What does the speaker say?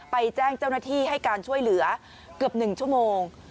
แจ้งเจ้าหน้าที่ให้การช่วยเหลือเกือบ๑ชั่วโมง